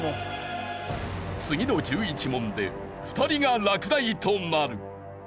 次の１１問で２人が落第となる。